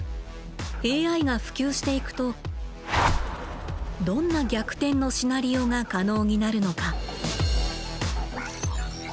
ＡＩが普及していくとどんな逆転のシナリオが可能になるのか？